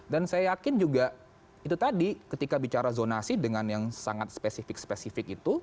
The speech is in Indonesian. dan saya yakin juga itu tadi ketika bicara zonasi dengan yang sangat spesifik spesifik itu